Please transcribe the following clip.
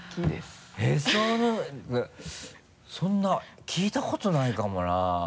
そんな聞いたことないかもな。